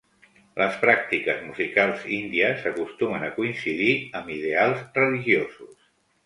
Les pràctiques musicals índies acostumen a coincidir amb ideals religiosos.